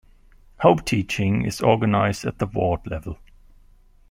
Home teaching is organized at the ward level.